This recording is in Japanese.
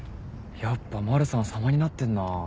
やっぱまるさん様になってんな。